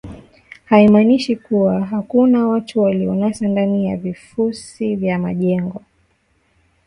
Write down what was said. haimaanishi kuwa hakuna watu walionasa ndani ya vifusi vya majengo